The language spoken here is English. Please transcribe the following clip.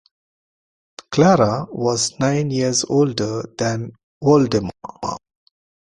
Clara was nine years older than Woldemar.